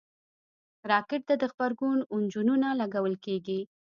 راکټ ته د غبرګون انجنونه لګول کېږي